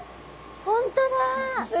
本当だ！